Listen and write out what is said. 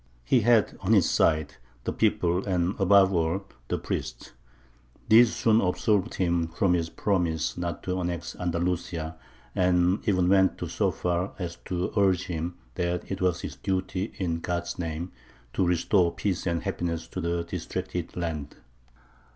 He had on his side the people, and, above all, the priests. These soon absolved him from his promise not to annex Andalusia, and even went so far as to urge him that it was his duty, in God's name, to restore peace and happiness to the distracted land.